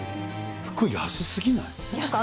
服安すぎない？